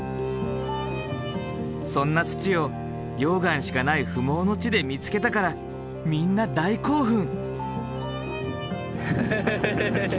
そんな土を溶岩しかない不毛の地で見つけたからみんな大興奮。